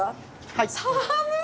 はい。